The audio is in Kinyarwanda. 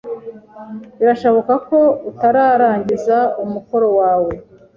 Birashoboka ko utararangiza umukoro wawe.